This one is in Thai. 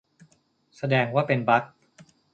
แสดงว่าเป็นบั๊ก !